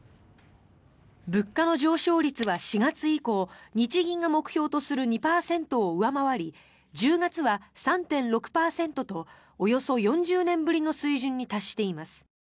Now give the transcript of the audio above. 物価の上昇率は４月以降日銀が目標とする２％を上回り１０月は３．６％とおよそ４０年ぶりの水準に達しています。